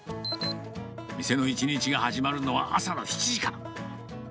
店の一日が始まるのは、朝の７時から。